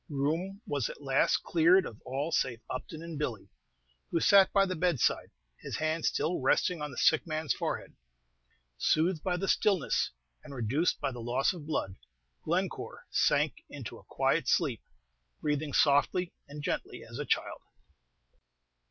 The room was at last cleared of all save Upton and Billy, who sat by the bedside, his hand still resting on the sick man's forehead. Soothed by the stillness, and reduced by the loss of blood, Glencore sank into a quiet sleep, breathing softly and gently as a child.